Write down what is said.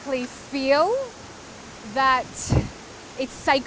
bahwa ini adalah suci